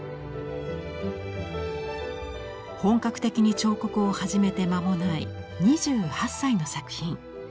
本格的に彫刻を始めて間もない２８歳の作品。